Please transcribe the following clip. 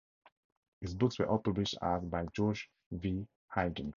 His books were all published as by George V. Higgins.